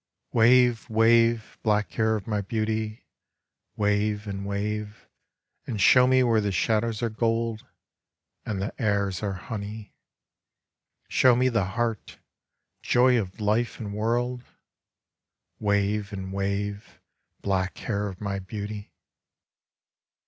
Wave, wave, black hair of my Beauty, wave, and wave, and show me where the shadows are gold, and the airs are honey, show me the heart — joy of Life and world ; wave and wave, black hair of my Beauty